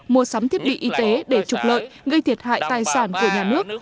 mua sắm thiết bị y tế để trục lợi gây thiệt hại tài sản của nhà nước